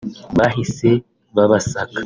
bahise babasaka